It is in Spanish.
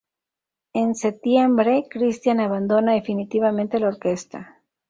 En setiembre Christian abandona definitivamente la orquesta.